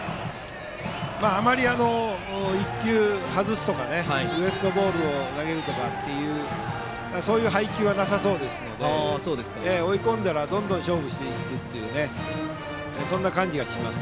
あまり１球外すとかウエストボールを投げるとかそういう配球はなさそうなので追い込まれたらどんどん勝負していくというそんな感じがします。